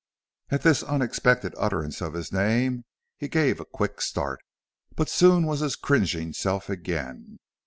At this unexpected utterance of his name he gave a quick start, but soon was his cringing self again.